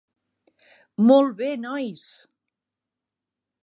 Molt bé, nois.